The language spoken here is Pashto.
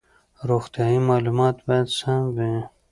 روغتیايي معلومات باید سم وي.